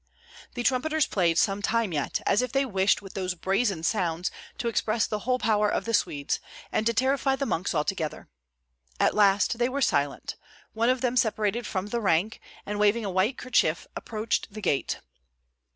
The trumpeters played some time yet, as if they wished with those brazen sounds to express the whole power of the Swedes, and to terrify the monks altogether. At last they were silent; one of them separated from the rank, and waving a white kerchief, approached the gate.